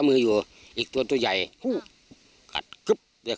เรียบร้อยเลย